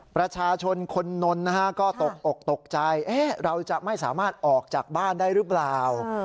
ประชาชนคนนนท์นะฮะก็ตกอกตกใจเราจะไม่สามารถออกจากบ้านได้หรือเปล่า